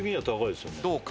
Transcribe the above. どうか？